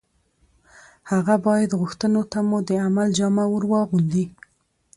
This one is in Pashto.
هغه باید غوښتنو ته مو د عمل جامه ور واغوندي